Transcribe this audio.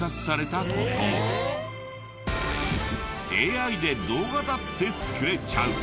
ＡＩで動画だって作れちゃう。